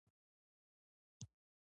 ژبې د افغانستان د پوهنې په نصاب کې دي.